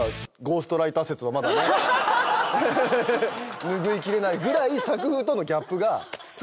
拭いきれないぐらい作風とのギャップがありますけど。